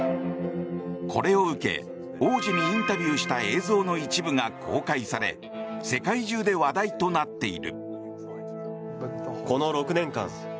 これを受け王子にインタビューした映像の一部が公開され世界中で話題となっている。